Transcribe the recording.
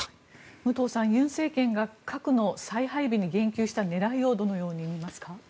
武藤さん尹政権が核の再配備に言及した背景についてどう思いますか。